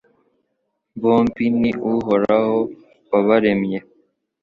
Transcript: bombi ni Uhoraho wabaremye